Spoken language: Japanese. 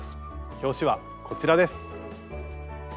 表紙はこちらです。